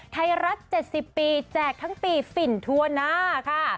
ไทยรัฐ๗๐ปีแจกทั้งปีฝิ่นทั่วหน้าค่ะ